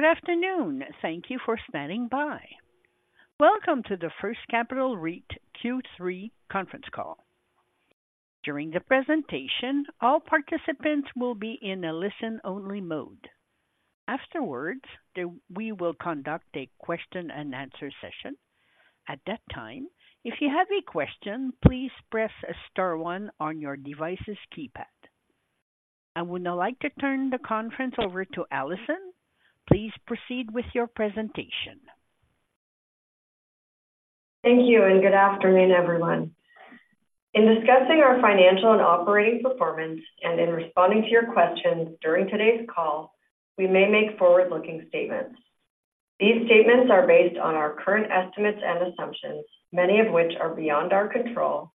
Good afternoon. Thank you for standing by. Welcome to the First Capital REIT Q3 Conference Call. During the presentation, all participants will be in a listen-only mode. Afterwards, we will conduct a question and answer session. At that time, if you have a question, please press star one on your device's keypad. I would now like to turn the conference over to Alison. Please proceed with your presentation. Thank you, and good afternoon, everyone. In discussing our financial and operating performance and in responding to your questions during today's call, we may make forward-looking statements. These statements are based on our current estimates and assumptions, many of which are beyond our control,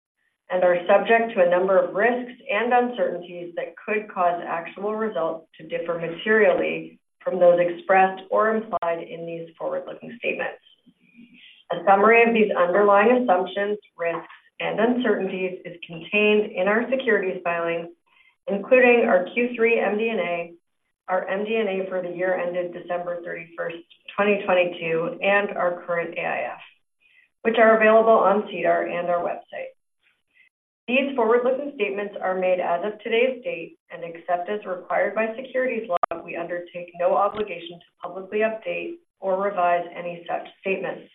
and are subject to a number of risks and uncertainties that could cause actual results to differ materially from those expressed or implied in these forward-looking statements. A summary of these underlying assumptions, risks, and uncertainties is contained in our securities filings, including our Q3 MD&A, our MD&A for the year ended 31 December 2022, and our current AIF, which are available on SEDAR and our website. These forward-looking statements are made as of today's date, and except as required by securities law, we undertake no obligation to publicly update or revise any such statements.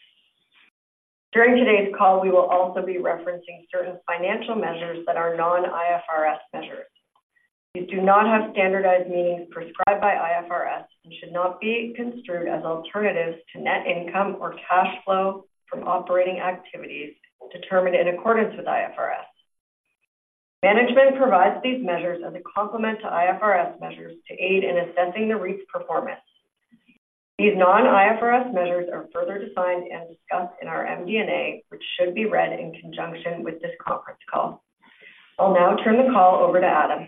During today's call, we will also be referencing certain financial measures that are non-IFRS measures. These do not have standardized meanings prescribed by IFRS and should not be construed as alternatives to net income or cash flow from operating activities determined in accordance with IFRS. Management provides these measures as a complement to IFRS measures to aid in assessing the REIT's performance. These non-IFRS measures are further defined and discussed in our MD&A, which should be read in conjunction with this conference call. I'll now turn the call over to Adam.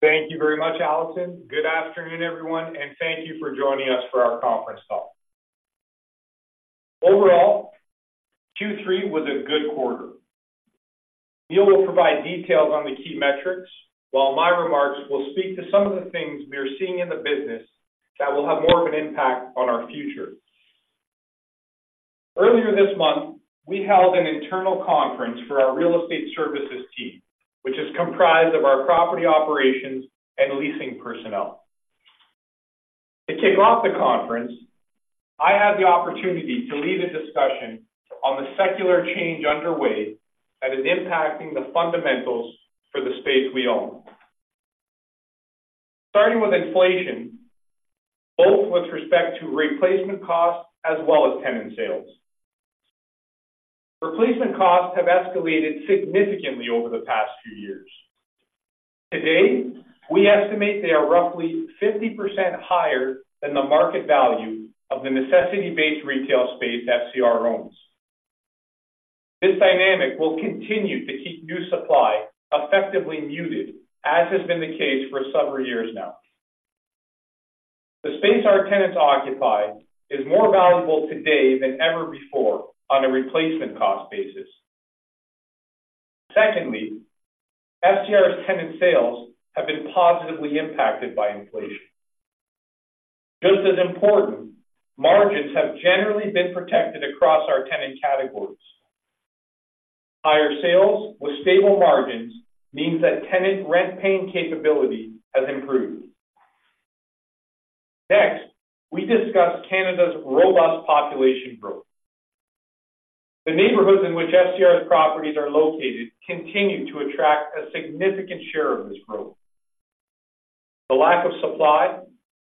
Thank you very much, Alison. Good afternoon, everyone, and thank you for joining us for our conference call. Overall, Q3 was a good quarter. Neil will provide details on the key metrics, while my remarks will speak to some of the things we are seeing in the business that will have more of an impact on our future. Earlier this month, we held an internal conference for our real estate services team, which is comprised of our property operations and leasing personnel. To kick off the conference, I had the opportunity to lead a discussion on the secular change underway that is impacting the fundamentals for the space we own. Starting with inflation, both with respect to replacement costs as well as tenant sales. Replacement costs have escalated significantly over the past few years. Today, we estimate they are roughly 50% higher than the market value of the necessity-based retail space FCR owns. This dynamic will continue to keep new supply effectively muted, as has been the case for several years now. The space our tenants occupy is more valuable today than ever before on a replacement cost basis. Secondly, FCR's tenant sales have been positively impacted by inflation. Just as important, margins have generally been protected across our tenant categories. Higher sales with stable margins means that tenant rent-paying capability has improved. Next, we discuss Canada's robust population growth. The neighborhoods in which FCR's properties are located continue to attract a significant share of this growth. The lack of supply,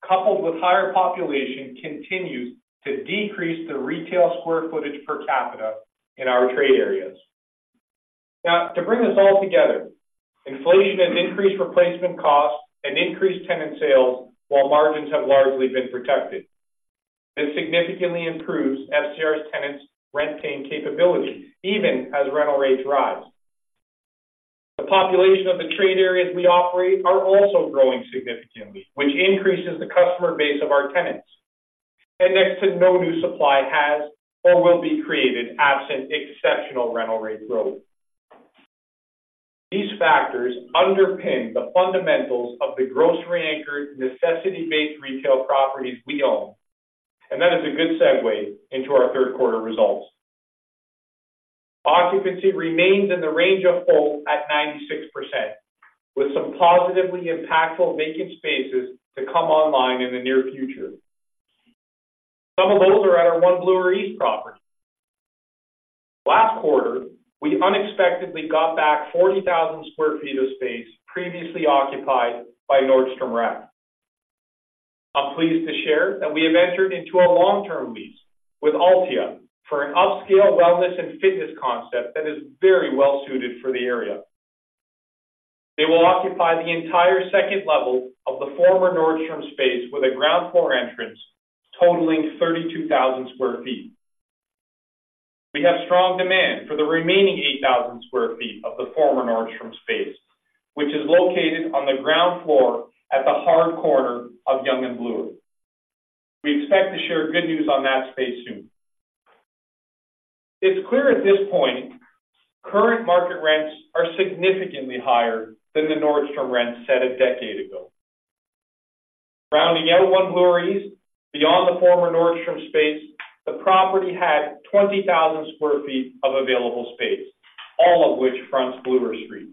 coupled with higher population, continues to decrease the retail square footage per capita in our trade areas. Now, to bring this all together, inflation has increased replacement costs and increased tenant sales, while margins have largely been protected. This significantly improves FCR's tenants' rent-paying capability, even as rental rates rise. The population of the trade areas we operate are also growing significantly, which increases the customer base of our tenants, and next to no new supply has or will be created absent exceptional rental rate growth. These factors underpin the fundamentals of the grocery-anchored, necessity-based retail properties we own, and that is a good segue into our Q3 results. Occupancy remains in the range of full at 96%, with some positively impactful vacant spaces to come online in the near future. Some of those are at our One Bloor East property. Last quarter, we unexpectedly got back 40,000 sq ft of space previously occupied by Nordstrom Rack. I'm pleased to share that we have entered into a long-term lease with Altea for an upscale wellness and fitness concept that is very well-suited for the area. They will occupy the entire second level of the former Nordstrom space with a ground floor entrance totaling 32,000 sq ft. We have strong demand for the remaining 8,000 sq ft of the former Nordstrom space, which is located on the ground floor at the hard corner of Yonge and Bloor. We expect to share good news on that space soon. It's clear at this point, current market rents are significantly higher than the Nordstrom rent set a decade ago. Around the One Bloor East, beyond the former Nordstrom space, the property had 20,000 sq ft of available space, all of which fronts Bloor Street.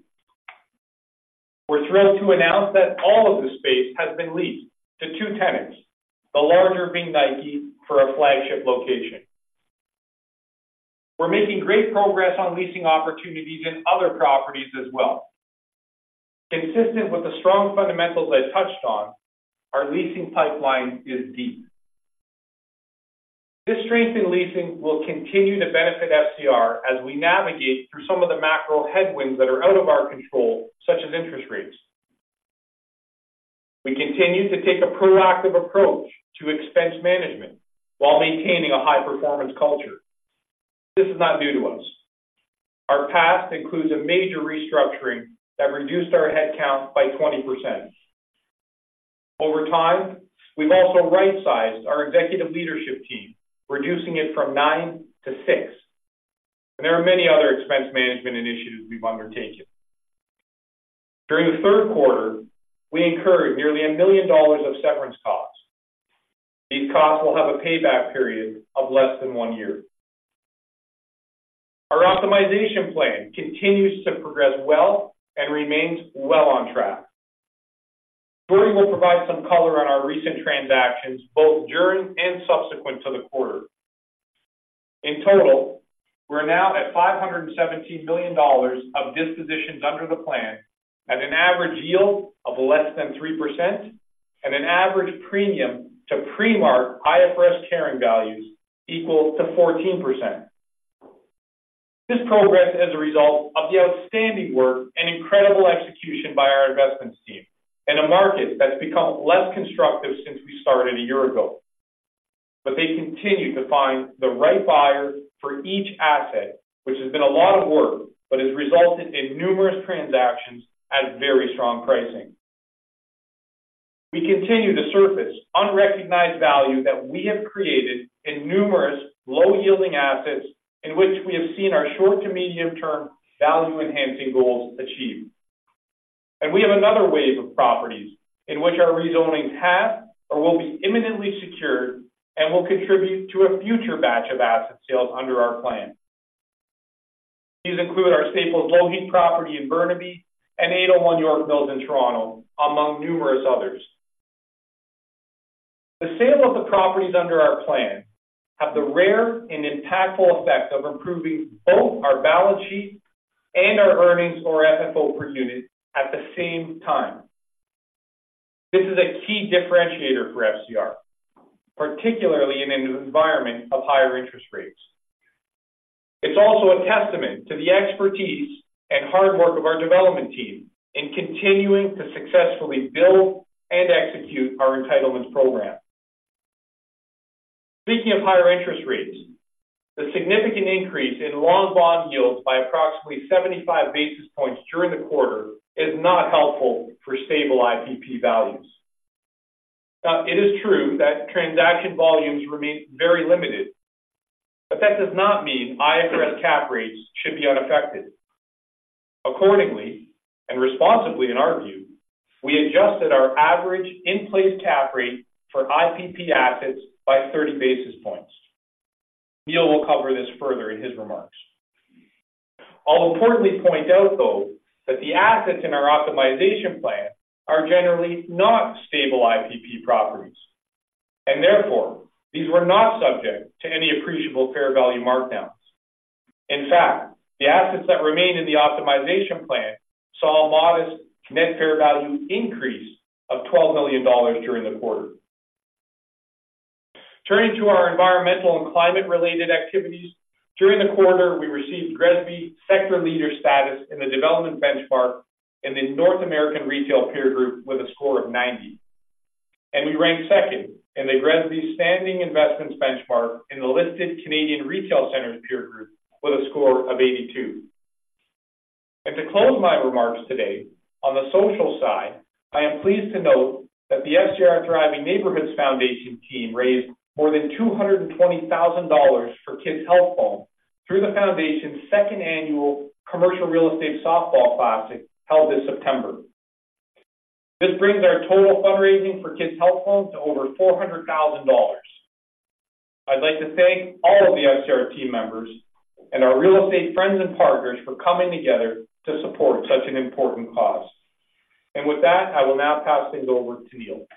We're thrilled to announce that all of the space has been leased to two tenants, the larger being Nike for a flagship location. We're making great progress on leasing opportunities in other properties as well. Consistent with the strong fundamentals I touched on, our leasing pipeline is deep. This strength in leasing will continue to benefit FCR as we navigate through some of the macro headwinds that are out of our control, such as interest rates. We continue to take a proactive approach to expense management while maintaining a high-performance culture. This is not new to us. Our past includes a major restructuring that reduced our headcount by 20%. Over time, we've also right-sized our executive leadership team, reducing it from nine to six, and there are many other expense management initiatives we've undertaken. During the Q3, we incurred nearly CAD a million of severance costs. These costs will have a payback period of less than one year. Our optimization plan continues to progress well and remains well on track. Downey will provide some color on our recent transactions, both during and subsequent to the quarter. In total, we're now at 517 million dollars of dispositions under the plan at an average yield of less than 3% and an average premium to pre-mark IFRS carrying values equal to 14%. This progress is a result of the outstanding work and incredible execution by our investments team in a market that's become less constructive since we started a year ago. But they continue to find the right buyer for each asset, which has been a lot of work, but has resulted in numerous transactions at very strong pricing. We continue to surface unrecognized value that we have created in numerous low-yielding assets, in which we have seen our short to medium-term value-enhancing goals achieved. We have another wave of properties in which our rezonings have or will be imminently secured and will contribute to a future batch of asset sales under our plan. These include our Staples Lougheed property in Burnaby and 801 York Mills in Toronto, among numerous others. The sale of the properties under our plan have the rare and impactful effect of improving both our balance sheet and our earnings or FFO per unit at the same time. This is a key differentiator for FCR, particularly in an environment of higher interest rates. It's also a testament to the expertise and hard work of our development team in continuing to successfully build and execute our entitlement program. Speaking of higher interest rates, the significant increase in long bond yields by approximately 75 basis points during the quarter is not helpful for stable IPP values. Now, it is true that transaction volumes remain very limited, but that does not mean IFRS cap rates should be unaffected. Accordingly and responsibly in our view, we adjusted our average in-place cap rate for IPP assets by 30 basis points. Neil will cover this further in his remarks. I'll importantly point out, though, that the assets in our optimization plan are generally not stable IPP properties, and therefore, these were not subject to any appreciable fair value markdowns. In fact, the assets that remained in the optimization plan saw a modest net fair value increase of 12 million dollars during the quarter. Turning to our environmental and climate-related activities. During the quarter, we received GRESB sector leader status in the development benchmark in the North American retail peer group with a score of 90, and we ranked second in the GRESB Standing Investments Benchmark in the listed Canadian retail centers peer group with a score of 82. To close my remarks today, on the social side, I am pleased to note that the FCR Thriving Neighborhoods Foundation team raised more than 220,000 dollars for Kids Help Phone through the foundation's second annual Commercial Real Estate Softball Classic, held this September. This brings our total fundraising for Kids Help Phone to over 400,000 dollars. I'd like to thank all of the FCR team members and our real estate friends and partners for coming together to support such an important cause. With that, I will now pass things over to Neil.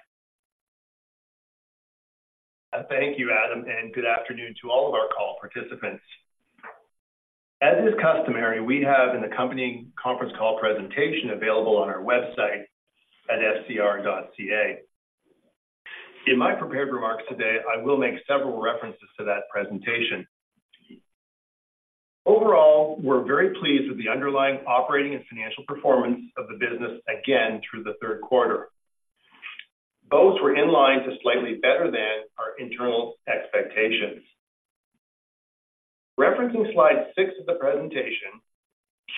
Thank you, Adam, and good afternoon to all of our call participants. As is customary, we have an accompanying conference call presentation available on our website at fcr.ca. In my prepared remarks today, I will make several references to that presentation. Overall, we're very pleased with the underlying operating and financial performance of the business again through the Q3. Both were in line to slightly better than our internal expectations. Referencing slide six of the presentation,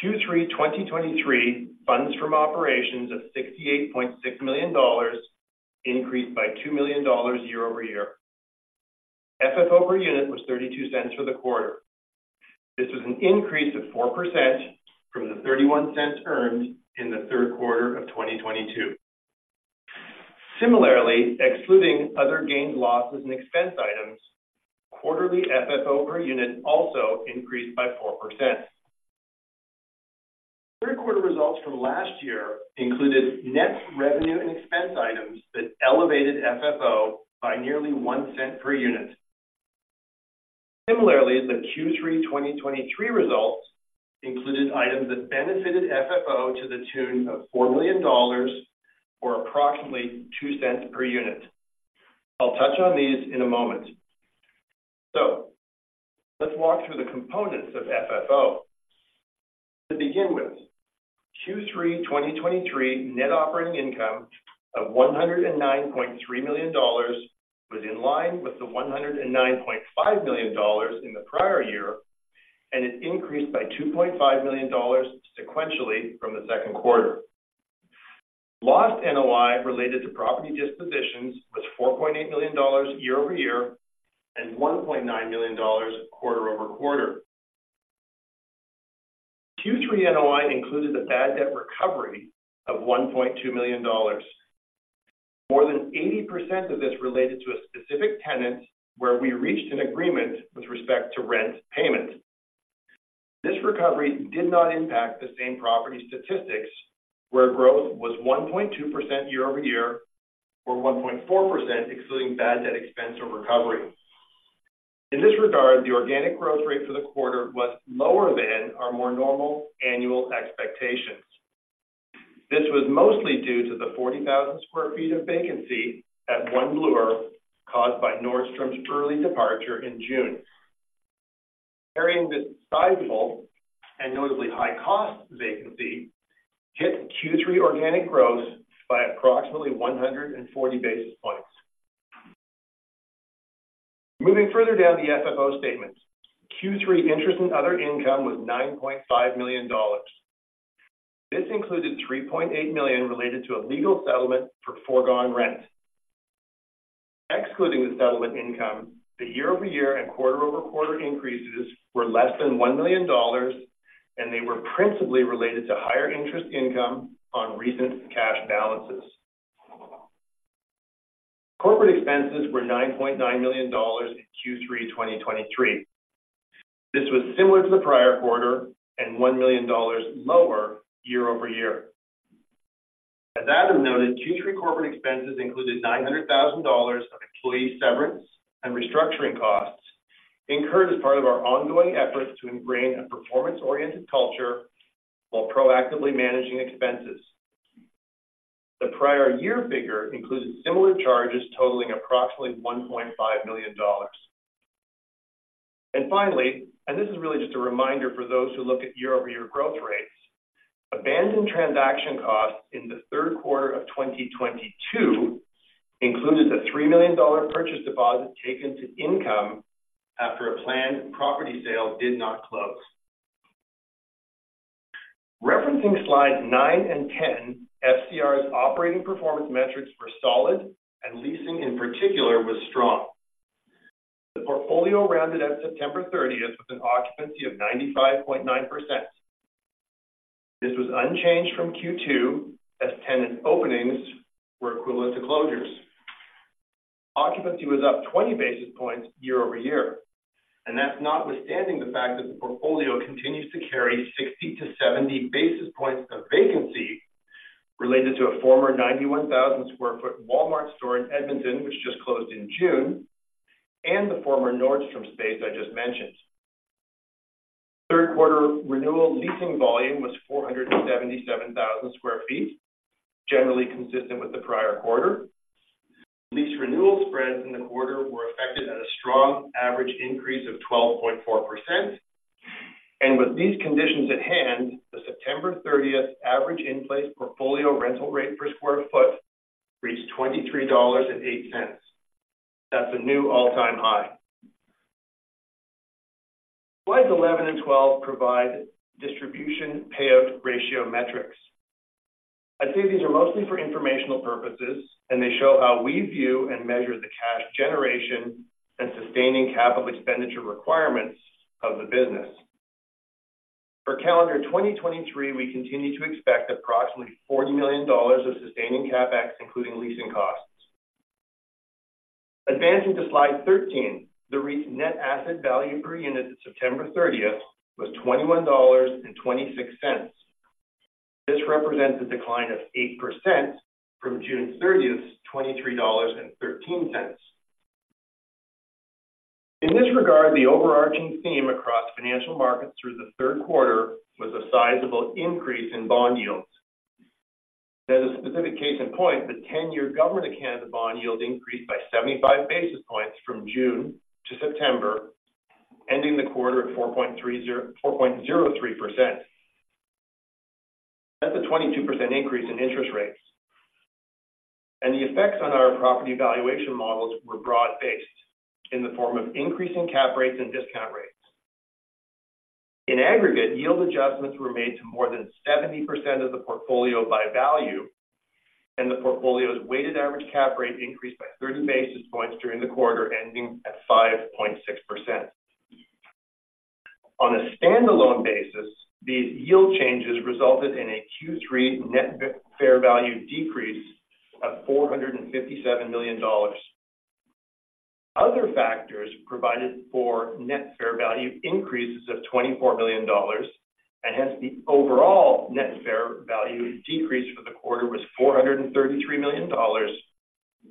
Q3 2023 funds from operations of 68.6 million dollars increased by 2 million dollars year-over-year. FFO per unit was 0.32 for the quarter. This was an increase of 4% from the 0.31 earned in the Q3 of 2022. Similarly, excluding other gains, losses, and expense items, quarterly FFO per unit also increased by 4%. Q3 results from last year included net revenue and expense items that elevated FFO by nearly 0.01 per unit. Similarly, the Q3 2023 results included items that benefited FFO to the tune of 4 million dollars, or approximately 0.02 per unit. I'll touch on these in a moment. Let's walk through the components of FFO. To begin with, Q3 2023 net operating income of 109.3 million dollars was in line with the 109.5 million dollars in the prior year, and it increased by 2.5 million dollars sequentially from the Q2. Lost NOI related to property dispositions was 4.8 million dollars year-over-year, and 1.9 million dollars quarter-over-quarter. Q3 NOI included a bad debt recovery of 1.2 million dollars. More than 80% of this related to a specific tenant, where we reached an agreement with respect to rent payments. This recovery did not impact the same property statistics, where growth was 1.2% year-over-year or 1.4% excluding bad debt expense or recovery. In this regard, the organic growth rate for the quarter was lower than our more normal annual expectations. This was mostly due to the 40,000 sq ft of vacancy at One Bloor, caused by Nordstrom's early departure in June. Carrying this sizable and notably high cost vacancy hit Q3 organic growth by approximately 140 basis points. Moving further down the FFO statement, Q3 interest and other income was 9.5 million dollars. This included 3.8 million related to a legal settlement for foregone rent. Excluding the settlement income, the year-over-year and quarter-over-quarter increases were less than 1 million dollars, and they were principally related to higher interest income on recent cash balances. Corporate expenses were 9.9 million dollars in Q3 2023. This was similar to the prior quarter and 1 million dollars lower year over year. As Adam noted, Q3 corporate expenses included 900,000 dollars of employee severance and restructuring costs, incurred as part of our ongoing efforts to ingrain a performance-oriented culture while proactively managing expenses. The prior year figure included similar charges totaling approximately 1.5 million dollars. Finally, and this is really just a reminder for those who look at year-over-year growth rates, abandoned transaction costs in the Q3 of 2022 included a 3 million dollar purchase deposit taken to income after a planned property sale did not close. Referencing Slides nine and 10, FCR's operating performance metrics were solid, and leasing in particular was strong. The portfolio rounded at September 30 with an occupancy of 95.9%. This was unchanged from Q2, as tenant openings were equivalent to closures. Occupancy was up 20 basis points year-over-year, and that's notwithstanding the fact that the portfolio continues to carry 60-70 basis points of vacancy related to a former 91,000 sq ft Walmart store in Edmonton, which just closed in June, and the former Nordstrom space I just mentioned. Q3 renewal leasing volume was 477,000 sq ft, generally consistent with the prior quarter. Lease renewal spreads in the quarter were affected at a strong average increase of 12.4%. With these conditions at hand, the September 30 average in-place portfolio rental rate per square foot reached 23.08 dollars. That's a new all-time high. Slides 11 and 12 provide distribution payout ratio metrics. I'd say these are mostly for informational purposes, and they show how we view and measure the cash generation and sustaining capital expenditure requirements of the business. For calendar 2023, we continue to expect approximately 40 million dollars of sustaining CapEx, including leasing costs. Advancing to Slide 13, the REIT's net asset value per unit at 30 September was 21.26 dollars. This represents a decline of 8% from June 30's 23.13. In this regard, the overarching theme across financial markets through the Q3 was a sizable increase in bond yields. As a specific case in point, the 10-year government of Canada bond yield increased by 75 basis points from June to September, ending the quarter at 4.30 - 4.03%. That's a 22% increase in interest rates and the effects on our property valuation models were broad-based, in the form of increasing cap rates and discount rates. In aggregate, yield adjustments were made to more than 70% of the portfolio by value, and the portfolio's weighted average cap rate increased by 30 basis points during the quarter, ending at 5.6%. On a standalone basis, these yield changes resulted in a Q3 net fair value decrease of 457 million dollars. Other factors provided for net fair value increases of 24 million dollars, and hence, the overall net fair value decrease for the quarter was 433 million dollars,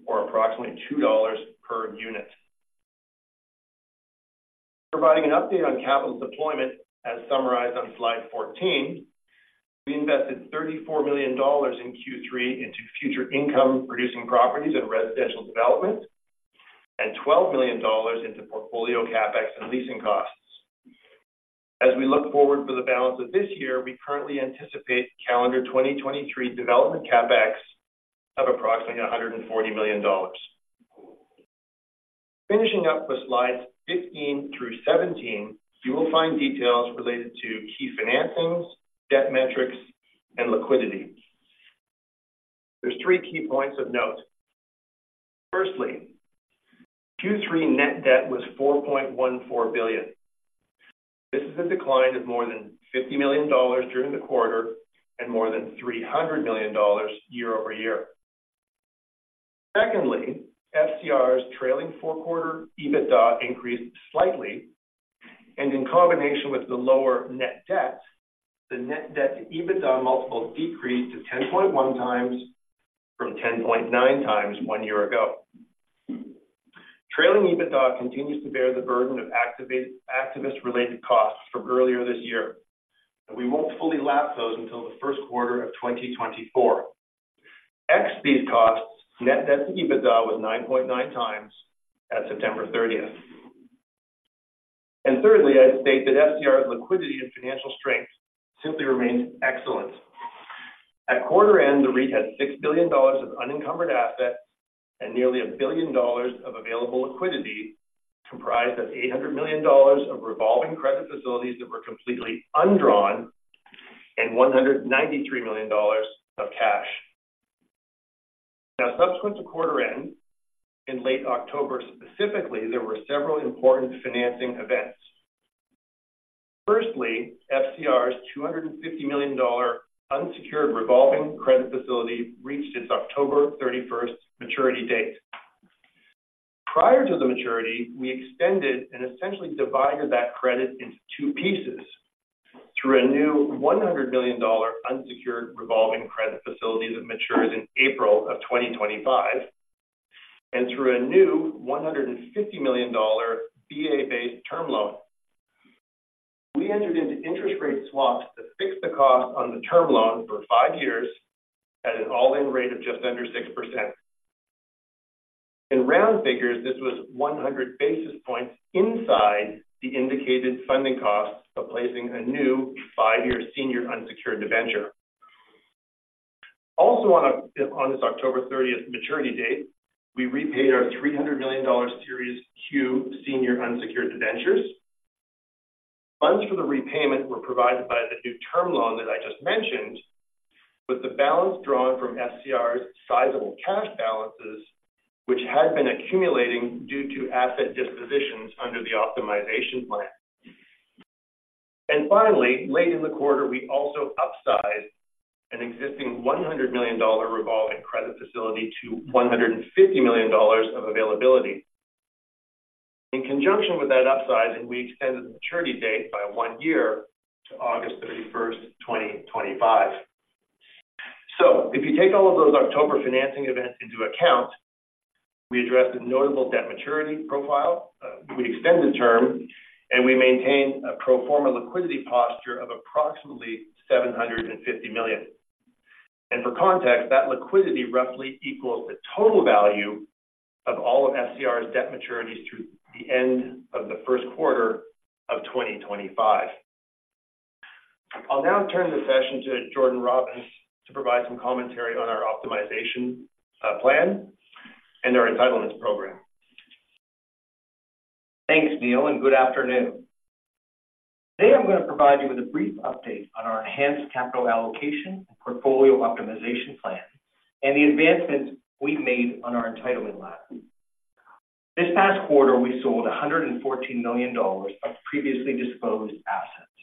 or approximately 2 dollars per unit. Providing an update on capital deployment, as summarized on slide 14, we invested 34 million dollars in Q3 into future income-producing properties and residential development, and 12 million dollars into portfolio CapEx and leasing costs. As we look forward for the balance of this year, we currently anticipate calendar 2023 development CapEx of approximately 140 million dollars. Finishing up with slides 15 through 17, you will find details related to key financings, debt metrics, and liquidity. There's three key points of note. Firstly, Q3 net debt was 4.14 billion. This is a decline of more than 50 million dollars during the quarter and more than 300 million dollars year over year. Secondly, FCR's trailing Q4 EBITDA increased slightly, and in combination with the lower net debt, the net debt to EBITDA multiple decreased to 10.1x from 10.9x one year ago. Trailing EBITDA continues to bear the burden of activist-related costs from earlier this year, and we won't fully lap those until the Q1 of 2024. Ex these costs, net debt to EBITDA was 9.9 times at September thirtieth. Thirdly, I'd state that FCR's liquidity and financial strength simply remains excellent. At quarter end, the REIT had CAD $6 billion of unencumbered assets and nearly CAD $1 billion of available liquidity, comprised of CAD $800 million of revolving credit facilities that were completely undrawn and CAD $193 million of cash. Now, subsequent to quarter end, in late October specifically, there were several important financing events. Firstly, FCR's CAD $250 million unsecured revolving credit facility reached its 31 October maturity date. Prior to the maturity, we extended and essentially divided that credit into two pieces through a new CAD $100 million unsecured revolving credit facility that matures in April 2025, and through a new CAD $150 million VA-based term loan. We entered into interest rate swaps to fix the cost on the term loan for five years at an all-in rate of just under 6%. In round figures, this was 100 basis points inside the indicated funding costs of placing a new five-year senior unsecured debenture. Also, on this 30 October maturity date, we repaid our 300 million dollar Series Q senior unsecured debentures. Funds for the repayment were provided by the new term loan that I just mentioned, with the balance drawn from FCR's sizable cash balances, which had been accumulating due to asset dispositions under the optimization plan. Finally, late in the quarter, we also upsized an existing 100 million dollar revolving credit facility to 150 million dollars of availability. In conjunction with that upsizing, we extended the maturity date by 1 year to 31 August 2025. If you take all of those October financing events into account, we addressed a notable debt maturity profile, we extended the term, and we maintained a pro forma liquidity posture of approximately 750 million d for context, that liquidity roughly equals the total value of all of FCR's debt maturities through the end of the Q1 of 2025. I'll now turn the session to Jordan Robins to provide some commentary on our optimization plan and our entitlements program. Thanks, Neil, and good afternoon. Today, I'm going to provide you with a brief update on our enhanced capital allocation and portfolio optimization plan and the advancements we've made on our entitlement line. This past quarter, we sold 114 million dollars of previously disposed assets.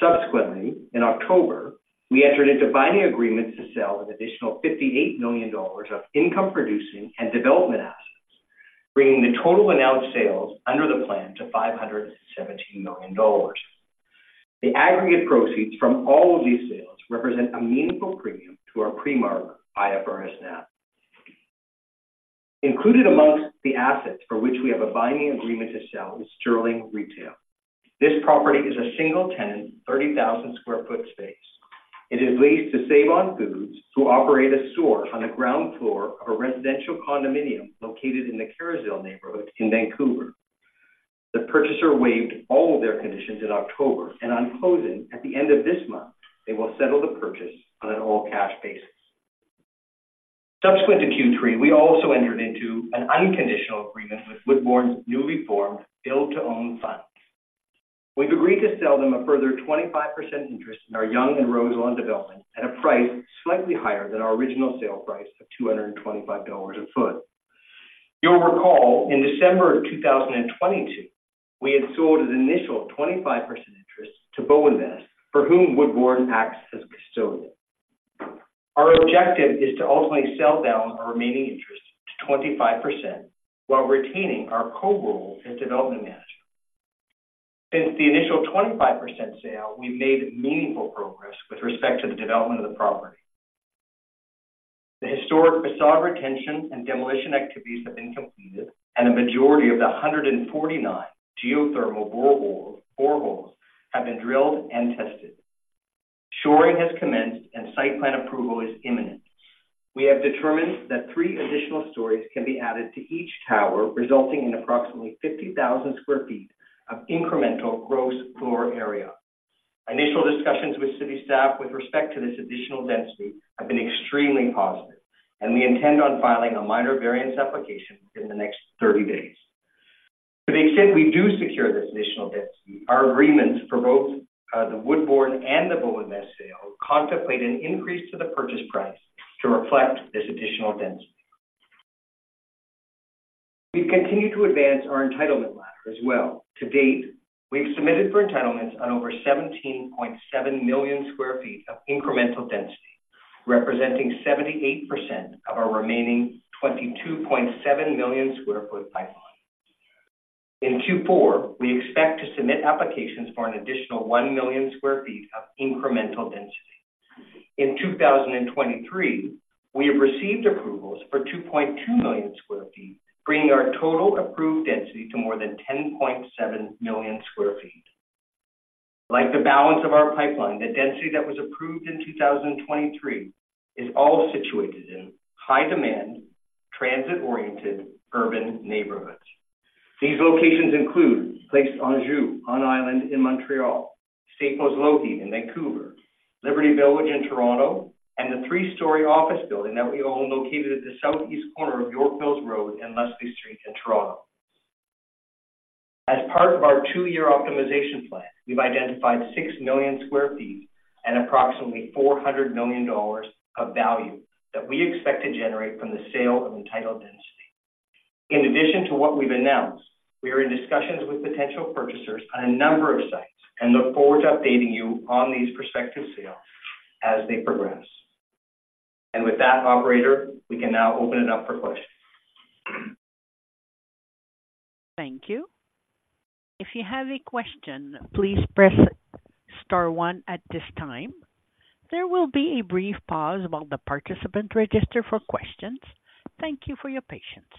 Subsequently, in October, we entered into binding agreements to sell an additional 58 million dollars of income-producing and development assets, bringing the total announced sales under the plan to 517 million dollars. The aggregate proceeds from all of these sales represent a meaningful premium to our pre-market IFRS NAV. Included amongst the assets for which we have a binding agreement to sell is Sterling Retail. This property is a single-tenant, 30,000-square-foot space. It is leased to Save-On-Foods, who operate a store on the ground floor of a residential condominium located in the Kerrisdale neighborhood in Vancouver. The purchaser waived all of their conditions in October, and on closing at the end of this month, they will settle the purchase on an all-cash basis. Subsequent to Q3, we also entered into an unconditional agreement with Woodbourne's newly formed build-to-own fund. We've agreed to sell them a further 25% interest in our Yonge and Roselawn development at a price slightly higher than our original sale price of 225 dollars a foot. You'll recall, in December of 2022, we had sold an initial 25% interest to Bowinvest, for whom Woodbourne acts as custodian. Our objective is to ultimately sell down our remaining interest to 25% while retaining our co-role as development manager. Since the initial 25% sale, we've made meaningful progress with respect to the development of the property. The historic facade retention and demolition activities have been completed, and a majority of the 149 geothermal boreholes have been drilled and tested. Shoring has commenced, and site plan approval is imminent. We have determined that three additional stories can be added to each tower, resulting in approximately 50,000 sq ft of incremental gross floor area. Initial discussions with city staff with respect to this additional density have been extremely positive, and we intend on filing a minor variance application in the next 30 days. To the extent we do secure this additional density, our agreements for both the Woodbourne and the Bowinvest sale contemplate an increase to the purchase price to reflect this additional density. We've continued to advance our entitlement ladder as well. To date, we've submitted for entitlements on over 17.7 million sq ft of incremental density, representing 78% of our remaining 22.7 million sq ft pipeline. In Q4, we expect to submit applications for an additional 1 million sq ft of incremental density. In 2023, we have received approvals for 2.2 million sq ft, bringing our total approved density to more than 10.7 million sq ft. Like the balance of our pipeline, the density that was approved in 2023 is all situated in high-demand, transit-oriented urban neighborhoods. These locations include Place Anges on island in Montreal, St. Paul's in Vancouver, Liberty Village in Toronto, and the three-story office building that we own located at the southeast corner of York Mills Road and Leslie Street in Toronto. As part of our two-year optimization plan, we've identified 6 million sq ft and approximately 400 million dollars of value that we expect to generate from the sale of entitled density. In addition to what we've announced, we are in discussions with potential purchasers on a number of sites and look forward to updating you on these prospective sales as they progress. With that, operator, we can now open it up for questions. Thank you. If you have a question, please press star one at this time. There will be a brief pause while the participants register for questions. Thank you for your patience.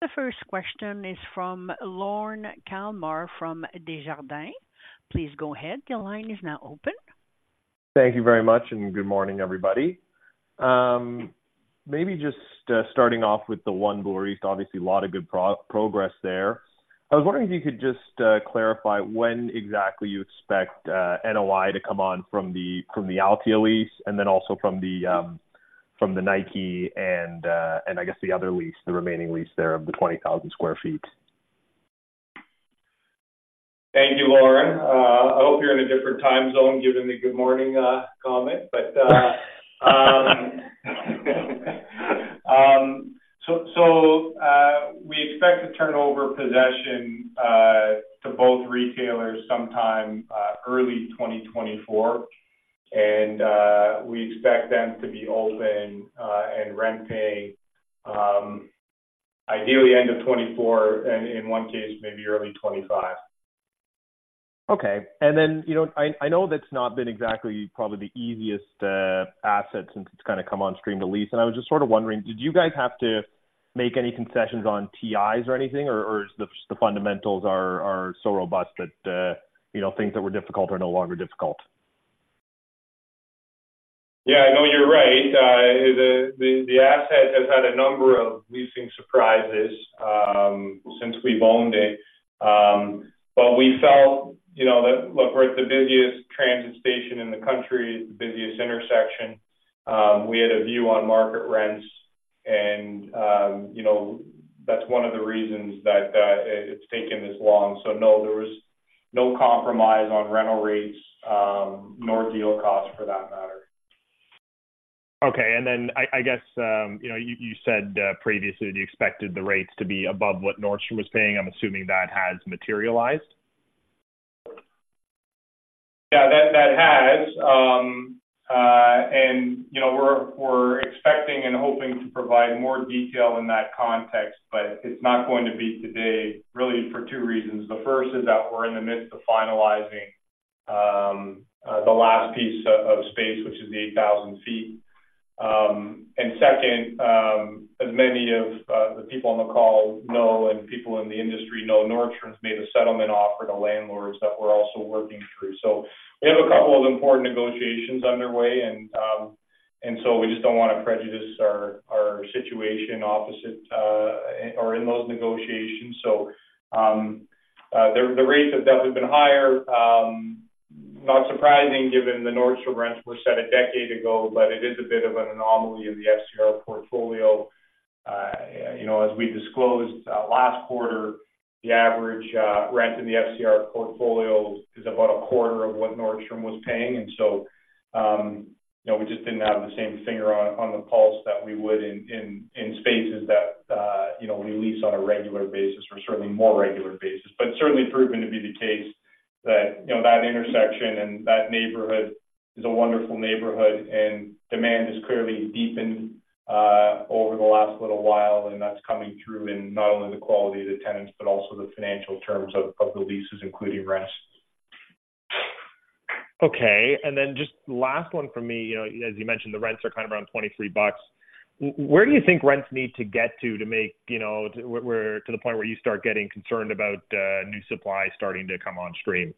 The first question is from Lorne Kalmar, from Desjardins. Please go ahead. The line is now open. Thank you very much, and good morning, everybody. Maybe just starting off with the One Bloor East, obviously, a lot of good progress there. I was wondering if you could just clarify when exactly you expect NOI to come on from the Altea lease, and then also from the Nike and I guess the other lease, the remaining lease there of the 20,000 sq ft. Thank you, Lorne. I hope you're in a different time zone, given the good morning comment. We expect to turn over possession to both retailers sometime early 2024, and we expect them to be open and rent paying, ideally end of 2024, and in one case, maybe early 2025. Then, you know, I know that's not been exactly probably the easiest asset since it's kind of come on stream to lease, and I was just sort of wondering, did you guys have to make any concessions on TIs or anything, or is the fundamentals are so robust that, you know, things that were difficult are no longer difficult? Yeah, no, you're right. The asset has had a number of leasing surprises since we've owned it but we felt, you know, that, look, we're at the busiest transit station in the country, the busiest intersection. We had a view on market rents, and you know, that's one of the reasons that it's taken this long so no, there was no compromise on rental rates nor deal cost for that matter. Then I guess, you know, you said previously that you expected the rates to be above what Nordstrom was paying. I'm assuming that has materialized? Yeah, that has. You know, we're expecting and hoping to provide more detail in that context, but it's not going to be today, really for two reasons. The first is that we're in the midst of finalizing the last piece of space, which is the 8,000 sq ft and second, as many of the people on the call know and people in the industry know, Nordstrom's made a settlement offer to landlords that we're also working through so we have a couple of important negotiations underway. We just don't want to prejudice our situation opposite or in those negotiations. The rates have definitely been higher. Not surprising given the Nordstrom rents were set a decade ago, but it is a bit of an anomaly in the FCR portfolio. You know, as we disclosed last quarter, the average rent in the FCR portfolio is about a quarter of what Nordstrom was paying and so, you know, we just didn't have the same finger on the pulse that we would in spaces that you know we lease on a regular basis or certainly more regular basis. Certainly proven to be the case that, you know, that intersection and that neighborhood is a wonderful neighborhood, and demand has clearly deepened over the last little while, and that's coming through in not only the quality of the tenants, but also the financial terms of the leases, including rents. Then just last one from me. You know, as you mentioned, the rents are kind of around 23 bucks. Where do you think rents need to get to, to make, you know, to where to the point where you start getting concerned about new supply starting to come on stream?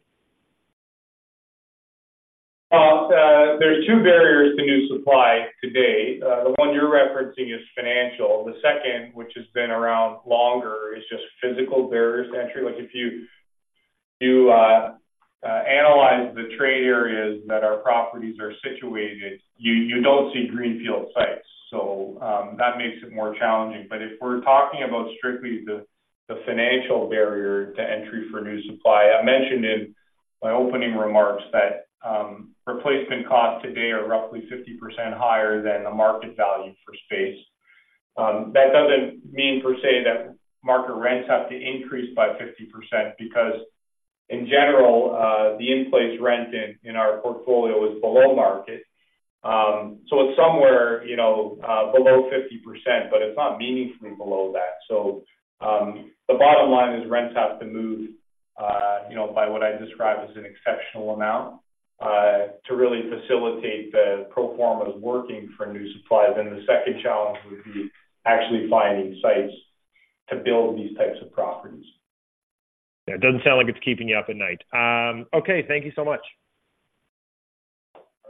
There's two barriers to new supply today. The one you're referencing is financial. The second, which has been around longer, is just physical barriers to entry. Like, if you analyze the trade areas that our properties are situated, you don't see greenfield sites, so that makes it more challenging but if we're talking about strictly the financial barrier to entry for new supply, I mentioned in my opening remarks that replacement costs today are roughly 50% higher than the market value for space. That doesn't mean per se that market rents have to increase by 50%, because in general the in-place rent in our portfolio is below market so it's somewhere, you know, below 50%, but it's not meaningfully below that. The bottom line is rents have to move, you know, by what I describe as an exceptional amount, to really facilitate the pro formas working for new supply. Then the second challenge would be actually finding sites to build these types of properties. It doesn't sound like it's keeping you up at night. Okay, thank you so much.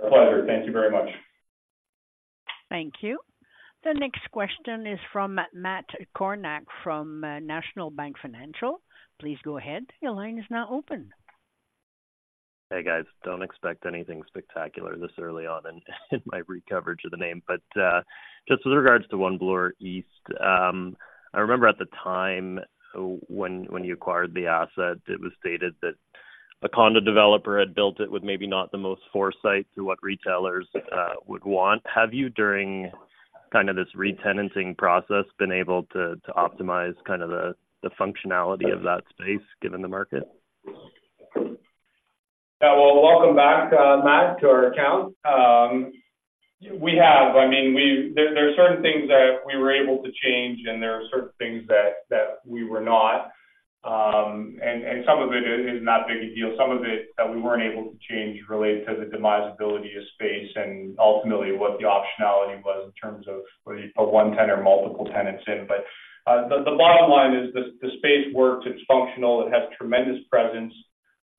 Pleasure. Thank you very much. Thank you. The next question is from Matt Kornack, from National Bank Financial. Please go ahead. Your line is now open. Hey, guys. Don't expect anything spectacular this early on in my coverage of the name. But just with regards to One Bloor East, I remember at the time when you acquired the asset, it was stated that a condo developer had built it with maybe not the most foresight to what retailers would want. Have you, during kind of this retenanting process, been able to optimize kind of the functionality of that space, given the market? Well, welcome back, Matt, to our account. I mean, there are certain things that we were able to change, and there are certain things that we were not and some of it is not a big a deal. Some of it that we weren't able to change related to the demisability of space and ultimately what the optionality was in terms of whether you put one tenant or multiple tenants in but, the bottom line is the space works, it's functional, it has tremendous presence,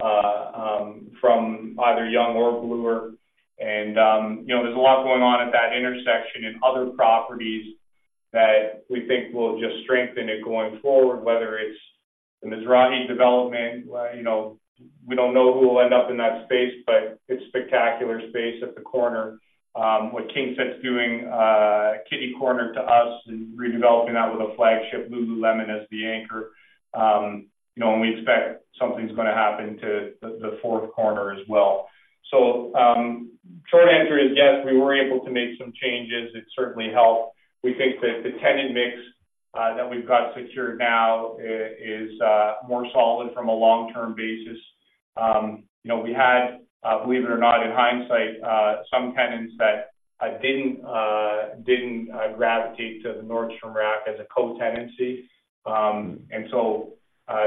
from either Yonge or Blo There's a lot going on at that intersection and other properties that we think will just strengthen it going forward, whether it's the Mizrahi development, you know, we don't know who will end up in that space, but it's spectacular space at the corner. What Kingset's doing, kitty corner to us and redeveloping that with a flagship Lululemon as the anchor. You know, and we expect something's going to happen to the fourth corner as well. Short answer is yes, we were able to make some changes. It certainly helped. We think that the tenant mix that we've got secured now is more solid from a long-term basis. You know, we had, believe it or not, in hindsight, some tenants that didn't gravitate to the Nordstrom Rack as a co-tenancy and so,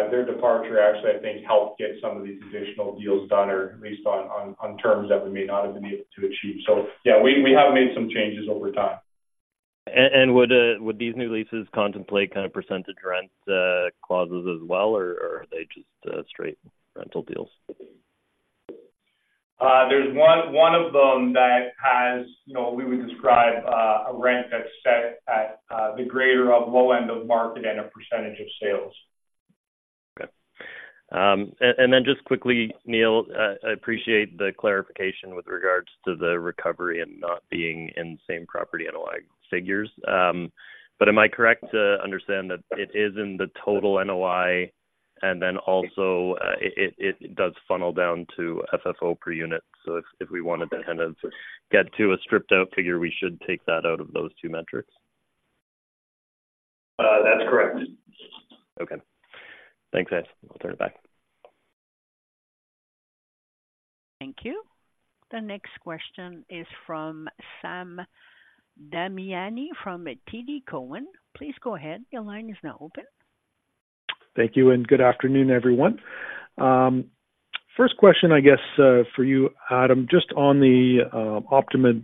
their departure actually, I think, helped get some of these additional deals done, or at least on terms that we may not have been able to achieve ao yeah, we have made some changes over time. Would these new leases contemplate kind of percentage rents clauses as well, or are they just straight rental deals? There's one of them that has, you know, we would describe, a rent that's set at, the greater of low end of market and a percentage of sales. Okay. Then just quickly, Neil, I appreciate the clarification with regards to the recovery and not being in same property NOI figures. Am I correct to understand that it is in the total NOI, and then also, it does funnel down to FFO per unit? If we wanted to kind of get to a stripped-out figure, we should take that out of those two metrics. That's correct. Okay. Thanks, guys. I'll turn it back. Thank you. The next question is from Sam Damiani from TD Cowen. Please go ahead. Your line is now open. Thank you, and good afternoon, everyone. First question, I guess, for you, Adam, just on the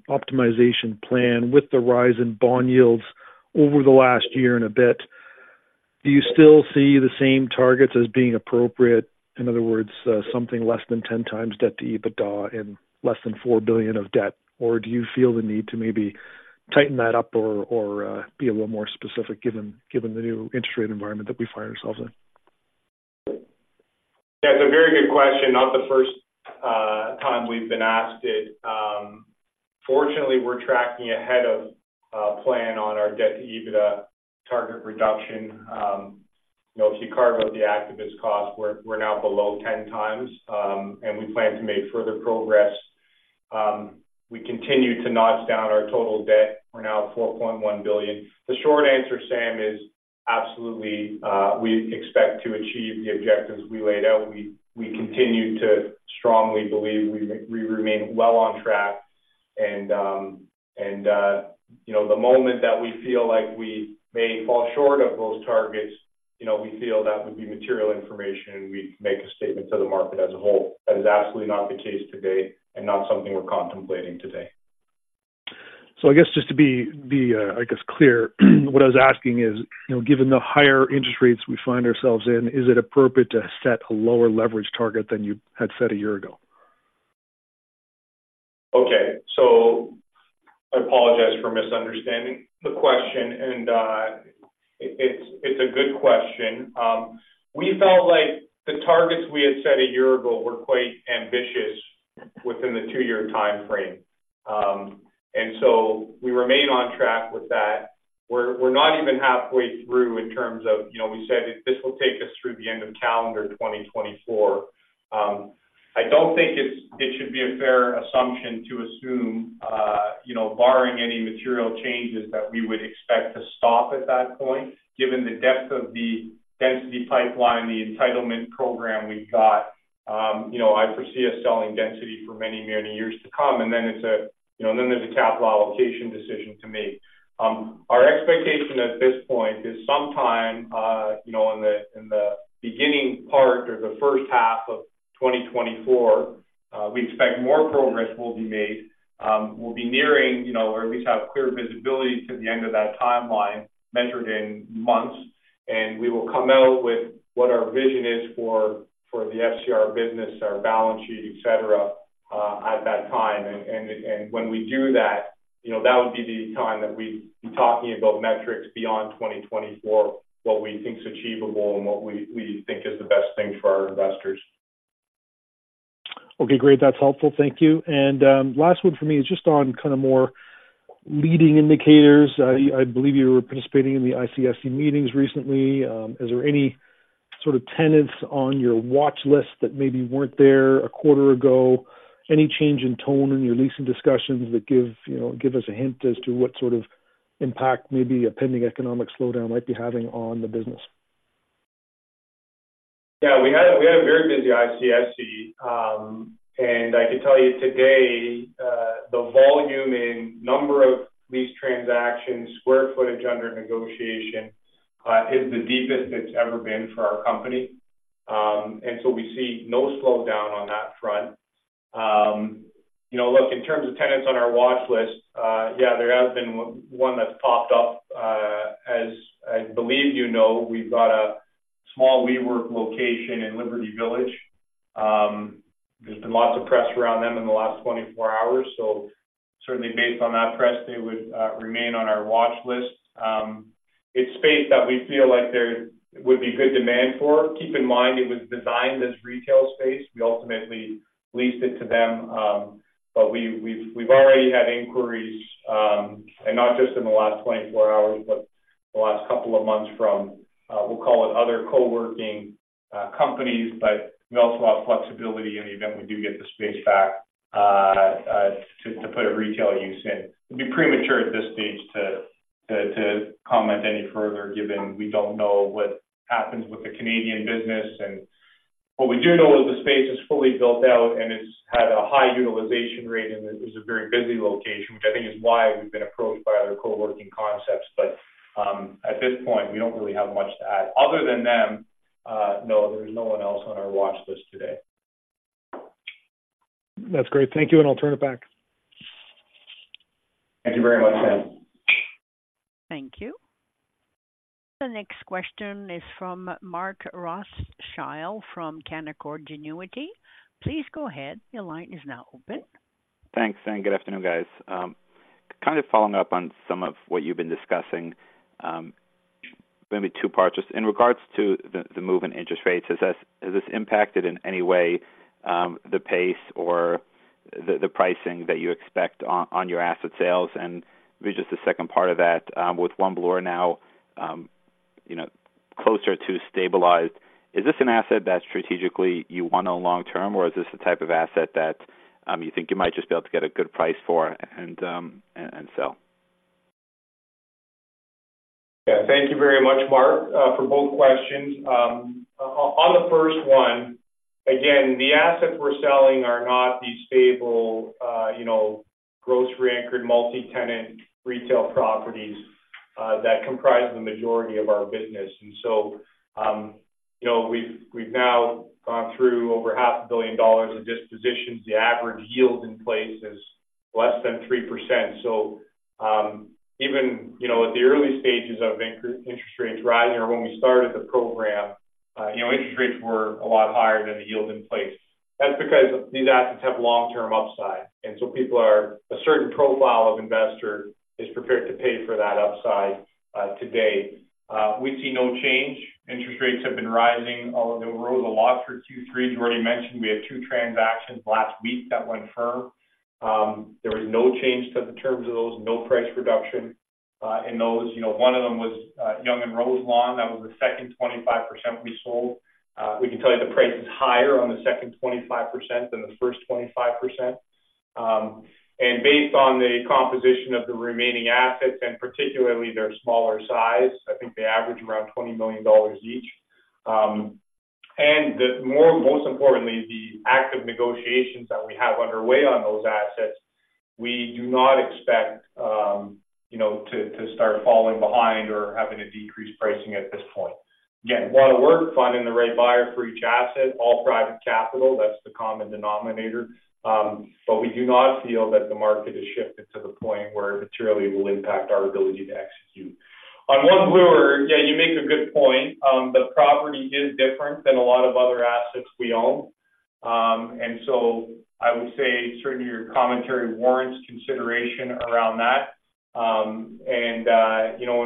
optimization plan with the rise in bond yields over the last year and a bit. Do you still see the same targets as being appropriate? In other words, something less than 10 times debt to EBITDA and less than 4 billion of debt, or do you feel the need to maybe tighten that up or be a little more specific, given the new interest rate environment that we find ourselves in? That's a very good question. Not the first time we've been asked it. Fortunately, we're tracking ahead of plan on our debt-to-EBITDA target reduction. You know, if you carve out the activist costs, we're now below 10 times, and we plan to make further progress. We continue to notch down our total debt. We're now at 4.1 billion. The short answer, Sam, is absolutely, we expect to achieve the objectives we laid out. We continue to strongly believe we remain well on track and, you know, the moment that we feel like we may fall short of those targets, you know, we feel that would be material information, and we'd make a statement to the market as a whole. That is absolutely not the case today and not something we're contemplating today. I guess just to be clear, what I was asking is, you know, given the higher interest rates we find ourselves in, is it appropriate to set a lower leverage target than you had set a year ago? Okay. I apologize for misunderstanding the question, and it's a good question. We felt like the targets we had set a year ago were quite ambitious within the two-year timeframe and so we remain on track with that. We're not even halfway through in terms of, you know, we said this will take us through the end of calendar 2024. I don't think it should be a fair assumption to assume, you know, barring any material changes, that we would expect to stop at that point, given the depth of the density pipeline, the entitlement program we've got. You know, I foresee us selling density for many, many years to come, and then it's a, you know, and then there's a capital allocation decision to make. Our expectation at this point is sometime, you know, in the beginning part or the first half of 2024, we expect more progress will be made. We'll be nearing, you know, or at least have clear visibility to the end of that timeline, measured in months, and we will come out with what our vision is for the FCR business, our balance sheet, et cetera, at that time and when we do that, you know, that would be the time that we'd be talking about metrics beyond 2024, what we think is achievable and what we think is the best thing for our investors. Okay, great. That's helpful. Thank you. Last one for me is just on kind of more leading indicators. I believe you were participating in the ICSC meetings recently. Is there any sort of tenants on your watch list that maybe weren't there a quarter ago? Any change in tone in your leasing discussions that give, you know, give us a hint as to what sort of impact maybe a pending economic slowdown might be having on the business? Yeah, we had a, we had a very busy ICSC. I can tell you today, the volume in number of lease transactions, square footage under negotiation, is the deepest it's ever been for our company so we see no slowdown on that front. You know, look, in terms of tenants on our watch list, yeah, there has been one that's popped up. As I believe you know, we've got a small WeWork location in Liberty Village. There's been lots of press around them in the last 24 hours, so certainly based on that press, they would remain on our watch list. It's space that we feel like there would be good demand for. Keep in mind, it was designed as retail space. We ultimately leased it to them, but we've already had inquiries, and not just in the last 24 hours, but the last couple of months from, we'll call it other co-working companies, but we also have flexibility in the event we do get the space back, to put a retail use in. It'd be premature at this stage to comment any further, given we don't know what happens with the Canadian business. What we do know is the space is fully built out, and it's had a high utilization rate, and it is a very busy location, which I think is why we've been approached by other co-working concepts but at this point, we don't really have much to add. Other than them, no, there's no one else on our watch list today. That's great. Thank you, and I'll turn it back. Thank you very much, Sam. Thank you. The next question is from Mark Rothschild from Canaccord Genuity. Please go ahead. Your line is now open. Thanks, and good afternoon, guys. Kind of following up on some of what you've been discussing, maybe two parts. Just in regards to the move in interest rates, has this impacted in any way the pace or the pricing that you expect on your asset sales? Maybe just the second part of that, with One Bloor now, you know, closer to stabilized, is this an asset that strategically you want to own long term, or is this the type of asset that you think you might just be able to get a good price for and sell? Yeah. Thank you very much, Mark, for both questions. On the first one, again, the assets we're selling are not the stable, you know, grocery-anchored, multi-tenant, retail properties that comprise the majority of our business. You know, we've now gone through over 500 million dollars in dispositions. The average yield in place is less than 3%. So, even, you know, at the early stages of interest rates rising or when we started the program, you know, interest rates were a lot higher than the yield in place. That's because these assets have long-term upside, and so people are a certain profile of investor is prepared to pay for that upside, today. We see no change. Interest rates have been rising, although there were a lot for Q3. As you already mentioned, we had two transactions last week that went firm. There was no change to the terms of those, no price reduction in those. You know, one of them was Yonge and Roselawn. That was the second 25% we sold. We can tell you the price is higher on the second 25% than the first 25% and based on the composition of the remaining assets, and particularly their smaller size, I think they average around 20 million dollars each. Most importantly, the active negotiations that we have underway on those assets, we do not expect, you know, to start falling behind or having to decrease pricing at this point. Again, while we're finding the right buyer for each asset, all private capital, that's the common denominator. But we do not feel that the market has shifted to the point where it materially will impact our ability to execute. On One Bloor, yeah, you make a good point. The property is different than a lot of other assets we own and so I would say certainly your commentary warrants consideration around that and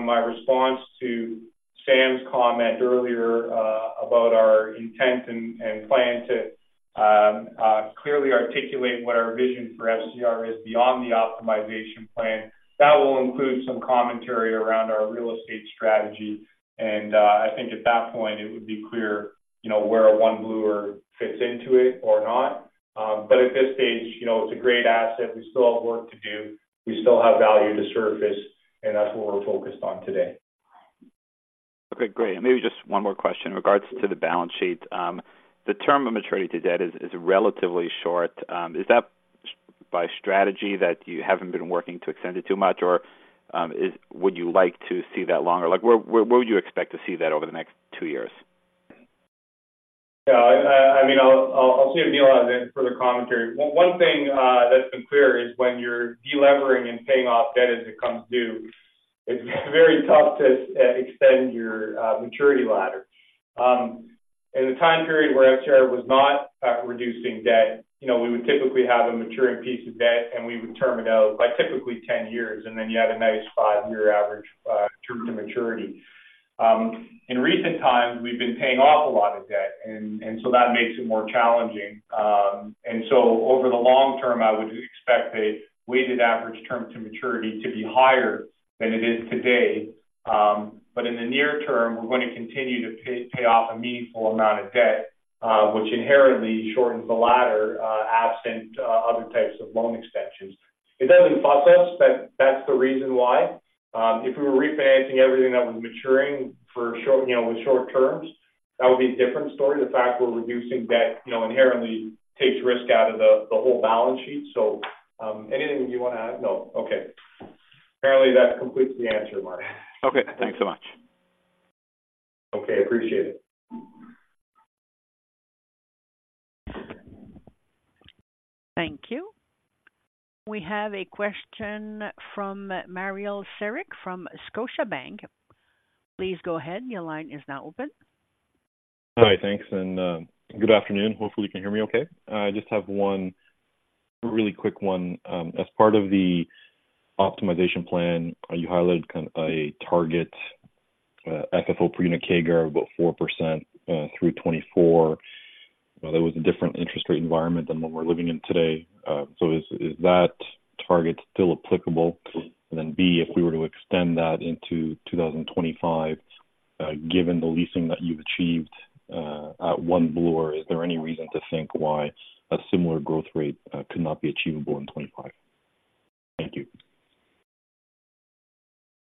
my response to Sam's comment earlier about our intent and plan to clearly articulate what our vision for FCR is beyond the optimization plan, that will include some commentary around our real estate strategy and I think at that point, it would be clear, you know, where a One Bloor fits into it or not. But at this stage, you know, it's a great asset. We still have work to do. We still have value to surface, and that's what we're focused on today. Okay, great. Maybe just one more question in regards to the balance sheet. The term of maturity to debt is relatively short. Is that by strategy that you haven't been working to extend it too much, or is, would you like to see that longer? Like, where, where, where would you expect to see that over the next two years? Yeah, I mean, I'll see if Neil has any further commentary. One thing that's been clear is when you're delivering and paying off debt as it comes due, it's very tough to extend your maturity ladder. In the time period where FCR was not reducing debt, you know, we would typically have a maturing piece of debt, and we would term it out by typically 10 years, and then you had a nice five-year average term to maturity. In recent times, we've been paying off a lot of debt, and so that makes it more challenging and so over the long term, I would expect a weighted average term to maturity to be higher than it is today. But in the near term, we're going to continue to pay off a meaningful amount of debt, which inherently shortens the ladder, absent other types of loan extensions. It doesn't bother us, that's the reason why. If we were refinancing everything that was maturing for short, you know, with short terms, that would be a different story. The fact we're reducing debt, you know, inherently takes risk out of the whole balance sheet. Anything you want to add? No. Okay. Apparently, that completes the answer, Mark. Okay, thanks so much. Okay, appreciate it. Thank you. We have a question from Mario Saric from Scotiabank. Please go ahead. Your line is now open. Hi, thanks, and good afternoon. Hopefully, you can hear me okay. I just have one really quick one. As part of the optimization plan, you highlighted a target FFO per unit CAGR of about 4% through 2024. Well, that was a different interest rate environment than what we're living in today so is that target still applicable? Then, B, if we were to extend that into 2025, given the leasing that you've achieved at One Bloor, is there any reason to think why a similar growth rate could not be achievable in 2025? Thank you.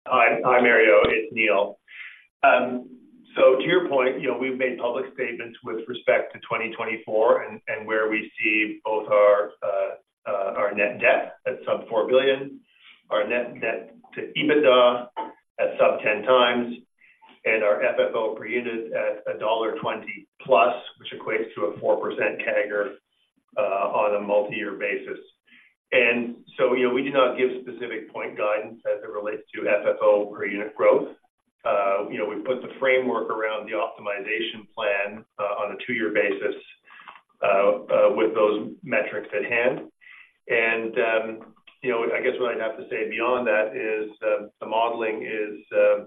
Hi. Hi, Mario, it's Neil. To your point, you know, we've made public statements with respect to 2024 and where we see both our our net debt at sub 4 billion, our net debt to EBITDA at sub 10x, and our FFO per unit at dollar 1.20+, which equates to a 4% CAGR, on a multi-year basis so, you know, we do not give specific point guidance as it relates to FFO per unit growth. You know, we've put the framework around the optimization plan, on a two-year basis, with those metrics at hand. You know, I guess what I'd have to say beyond that is, the modeling is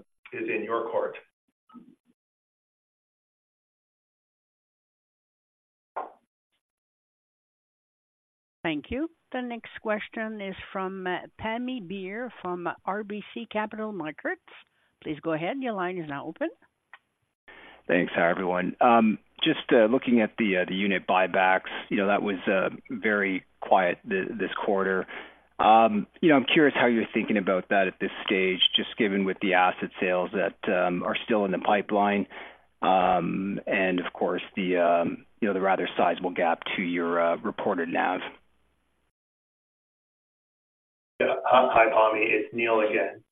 in your court. Thank you. The next question is from Pammi Bir from RBC Capital Markets. Please go ahead. Your line is now open. Thanks. Hi, everyone. Just looking at the unit buybacks, you know, that was very quiet this quarter. You know, I'm curious how you're thinking about that at this stage, just given with the asset sales that are still in the pipeline, and of course, you know, the rather sizable gap to your reported NAV. Yeah. Hi, Pammi. It's Neil again.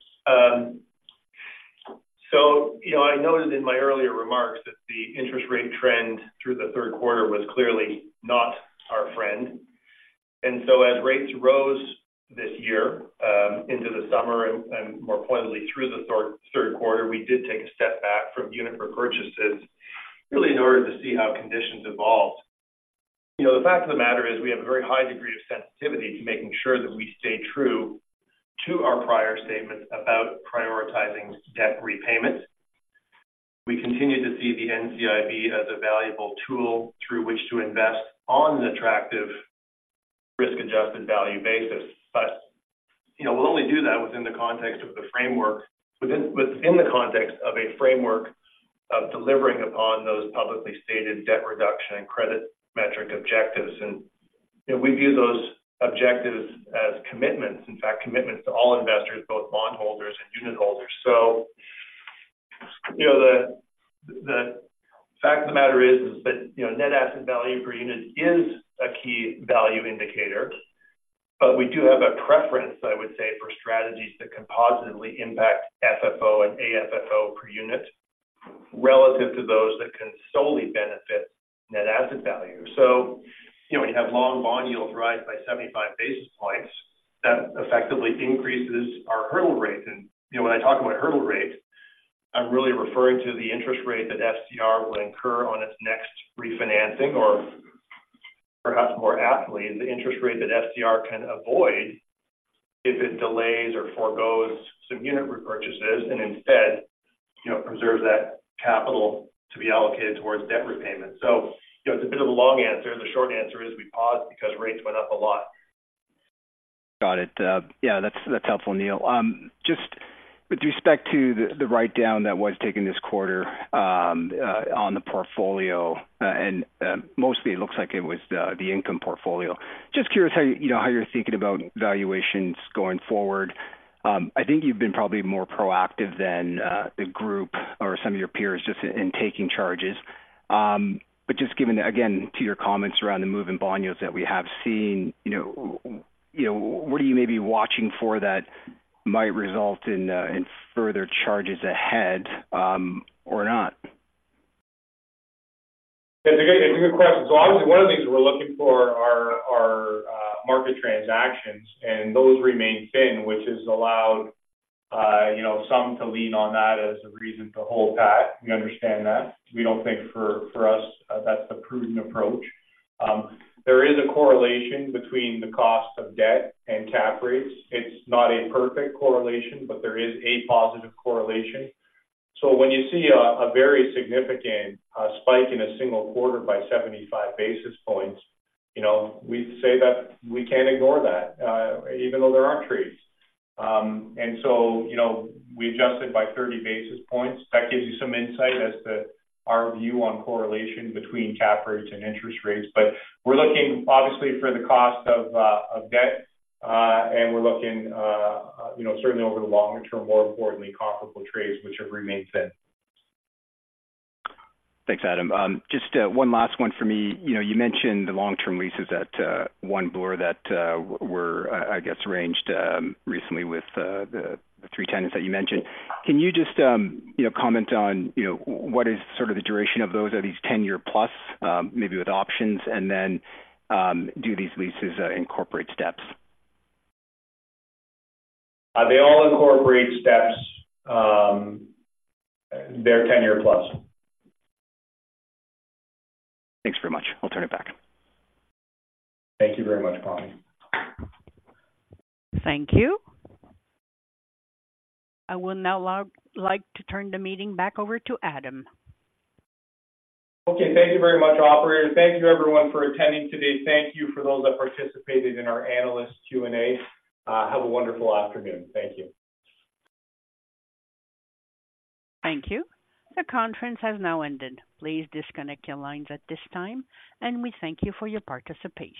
I noted in my earlier remarks that the interest rate trend through the Q3 was clearly not our friend and so as rates rose this year into the summer and more pointedly through the Q3, we did take a step back from unit repurchases, really in order to see how conditions evolved. You know, the fact of the matter is, we have a very high degree of sensitivity to making sure that we stay true to our prior statements about prioritizing debt repayment. We continue to see the NCIB as a valuable tool through which to invest on an attractive risk-adjusted value basis. But, you know, we'll only do that within the context of a framework of delivering upon those publicly stated debt reduction and credit metric objectives. You know, we view those objectives as commitments, in fact, commitments to all investors, both bondholders and unitholders so, you know, the fact of the matter is that, you know, net asset value per unit is a key value indicator. But we do have a preference, I would say, for strategies that can positively impact FFO and AFFO per unit, relative to those that can solely benefit net asset value. When you have long bond yields rise by 75 basis points, that effectively increases our hurdle rate. You know, when I talk about hurdle rate, I'm really referring to the interest rate that FCR would incur on its next refinancing, or perhaps more aptly, the interest rate that FCR can avoid if it delays or forgoes some unit repurchases and instead, you know, preserves that capital to be allocated towards debt repayment. It's a bit of a long answer. The short answer is we paused because rates went up a lot. Got it. Yeah, that's helpful, Neil. Just with respect to the write-down that was taken this quarter, on the portfolio, and mostly it looks like it was the income portfolio. Just curious how, you know, how you're thinking about valuations going forward. I think you've been probably more proactive than the group or some of your peers just in taking charges. But just given, again, to your comments around the move in bond yields that we have seen, you know, what are you maybe watching for that might result in further charges ahead, or not? It's a good question. Obviously, one of the things we're looking for are market transactions, and those remain thin, which has allowed, you know, some to lean on that as a reason to hold back. We understand that. We don't think for us that's the prudent approach. There is a correlation between the cost of debt and cap rates. It's not a perfect correlation, but there is a positive correlation. When you see a very significant spike in a single quarter by 75 basis points, you know, we say that we can't ignore that, even though there aren't trades so, you know, we adjusted by 30 basis points. That gives you some insight as to our view on correlation between cap rates and interest rates. But we're looking, obviously, for the cost of debt, and we're looking, you know, certainly over the longer term, more importantly, comparable trades, which have remained thin. Thanks, Adam. Just one last one for me. You know, you mentioned the long-term leases at One Bloor that were, I guess, arranged recently with the three tenants that you mentioned. Can you just, you know, comment on what is sort of the duration of those? Are these 10-year plus, maybe with options? Then, do these leases incorporate steps? They all incorporate steps. They're 10-year plus. Thanks very much. I'll turn it back. Thank you very much, Pammi. Thank you. I would now like to turn the meeting back over to Adam. Okay, thank you very much, operator. Thank you, everyone, for attending today. Thank you for those that participated in our analyst Q&A. Have a wonderful afternoon. Thank you. Thank you. The conference has now ended. Please disconnect your lines at this time, and we thank you for your participation.